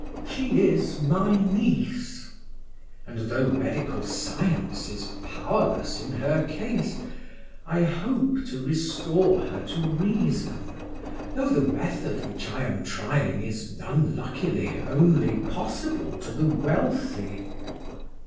She is my niece; and though medical science is powerless in her case, I hope to restore her to reason, though the method which I am trying is, unluckily, only possible to the wealthy."